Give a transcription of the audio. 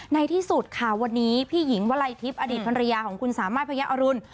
ในที่สุดค่ะวันนี้พี่หญิงวลัยทิพย์อดีตภรรยาของคุณสามารถพยาอรุณ